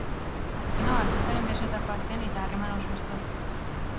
Azken hau artistaren besoetakoa zen eta harreman oso estua zuten.